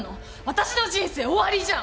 私の人生終わりじゃん！